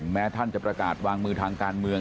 แม้ท่านจะประกาศวางมือทางการเมือง